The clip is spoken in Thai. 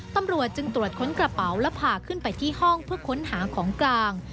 ตำรวจจึงตรวจค้นกระเป๋าและพาขึ้นไปที่ห้องเพื่อค้นหาของกลาง